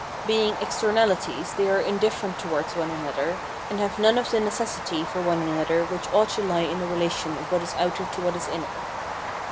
Being externalities they are indifferent towards one another, and have none of the necessity for one another which ought to he in the relation of what is outer to what is inner.